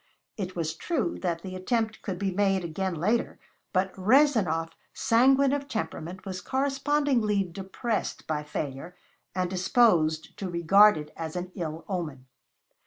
It was true that the attempt could be made again later, but Rezanov, sanguine of temperament, was correspondingly depressed by failure and disposed to regard it as an ill omen.